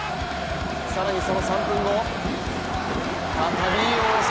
更にその３分後、再び大迫。